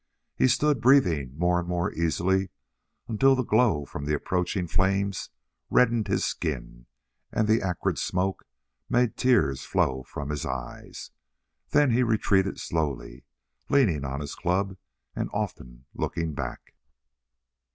He stood breathing more and more easily until the glow from approaching flames reddened his skin and the acrid smoke made tears flow from his eyes. Then he retreated slowly, leaning on his club and often looking back.